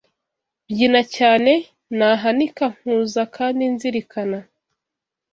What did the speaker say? Mbyina cyane nahanika Nkuza kandi nzirikana